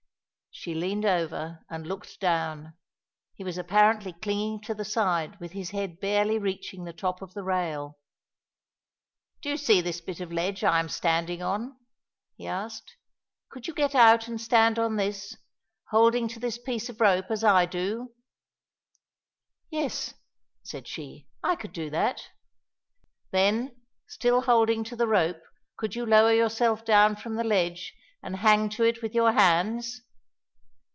She leaned over and looked down. He was apparently clinging to the side with his head barely reaching the top of the rail. "Do you see this bit of ledge I am standing on?" he asked. "Could you get out and stand on this, holding to this piece of rope as I do?" "Yes," said she, "I could do that." "Then, still holding to the rope, could you lower yourself down from the ledge and hang to it with your hands?"